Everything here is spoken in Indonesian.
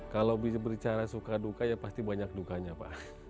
kalau bisa berbicara suka duka ya pasti banyak dukanya pak